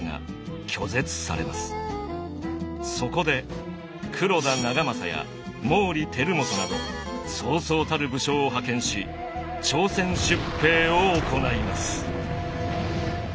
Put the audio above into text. そこで黒田長政や毛利輝元などそうそうたる武将を派遣し朝鮮出兵を行います。